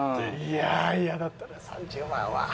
いやあイヤだったね３０万は。